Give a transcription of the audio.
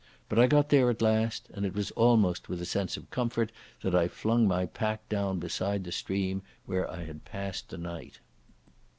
But I got there at last, and it was almost with a sense of comfort that I flung my pack down beside the stream where I had passed the night.